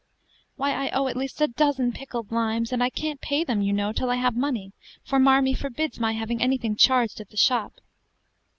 "Why, I owe at least a dozen pickled limes; and I can't pay them, you know, till I have money, for Marmee forbids my having anything charged at the shop."